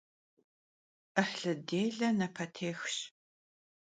'ıhlı dêle napetêxş.